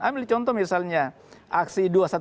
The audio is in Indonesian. ambil contoh misalnya aksi dua ratus dua belas